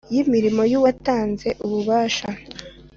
y’imirimo yu watanze ububasha